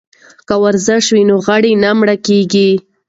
که ورزش وي نو غړي نه مړه کیږي.